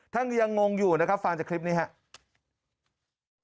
ยังงงอยู่นะครับฟังจากคลิปนี้ครับ